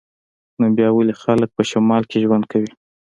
نو بیا ولې خلک په شمال کې ژوند کوي